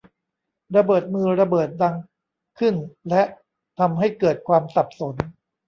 ระเบิดมือระเบิดดังขึ้นและทำให้เกิดความสับสน